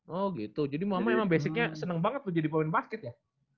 oh gitu jadi mama emang basicnya senang banget tuh jadi pemain basket ya